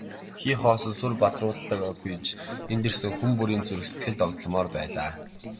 Хий хоосон сүр бадруулаагүй ч энд ирсэн хүн бүрийн зүрх сэтгэл догдолмоор байлаа.